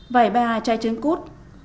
vài ba chai trứng cút